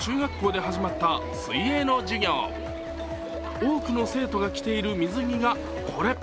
多くの生徒が着ている水着がこれ。